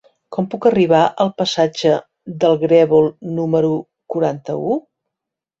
Com puc arribar al passatge del Grèvol número quaranta-u?